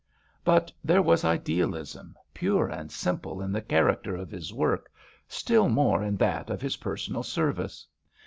But there was idealism pure and simple in the character of his work, still more in that of his personal service.